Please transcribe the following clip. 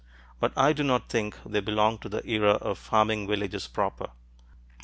But I do not think they belong to the era of farming villages proper.